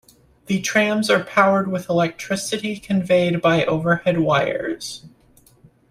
The trams are powered with electricity conveyed by overhead wires.